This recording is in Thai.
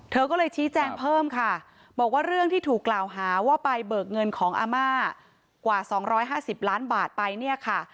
เธอก็เลยชี้แจงเพิ่มค่ะบอกว่าเรื่องที่ถูกกล่าวหาว่าไปเบิกเงินของอาม่ากว่า๒๕๐ล้านบาทไปเนี่ยค่ะ